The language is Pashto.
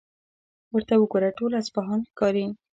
ورته وګوره، ټول اصفهان ښکاري.